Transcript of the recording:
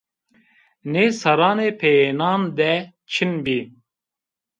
Nê serranê peyênan de çin bî